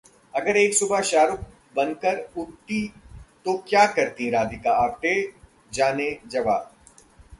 अगर एक सुबह शाहरुख बनकर उठती तो क्या करतीं राधिका आप्टे? जानें जवाब